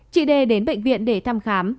chị đề đến bệnh viện để thăm khám